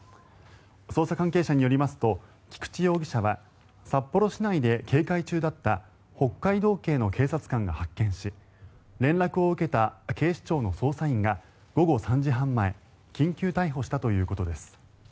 捜査関係者によりますと菊池容疑者は札幌市内で警戒中だった北海道警の警察官が発見し連絡を受けた警視庁の捜査員が午後３時半前緊急逮捕したということです。